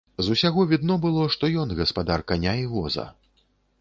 З усяго відно было, што ён гаспадар каня і воза.